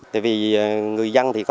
tại vì người dân thì có